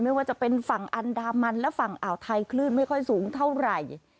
ไม่ว่าจะเป็นฝั่งอันดามันและฝั่งอ่าวไทยคลื่นไม่ค่อยสูงเท่าไหร่